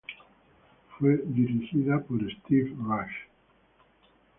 Fue dirigida por Steve Rash.